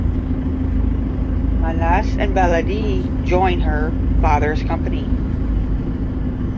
Manas and Vaidehi join her father’s company.